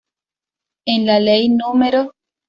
En la ley núm.